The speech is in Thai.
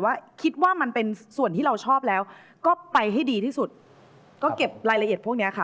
ได้ครับขอบคุณค่ะ